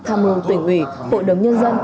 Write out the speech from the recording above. tham mưu tỉnh ủy hội đồng nhân dân